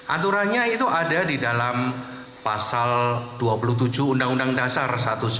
aturannya itu ada di dalam pasal dua puluh tujuh undang undang dasar seribu sembilan ratus empat puluh